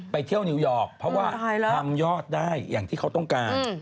ไปเที่ยวนิวยอร์กเพราะว่าทำยอดได้อย่างที่เขาต้องการ